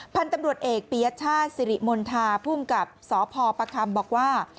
พันธุ์ตำรวจเอกปียชาติสิริมณฑาภูมิกับสพประคำบอกว่า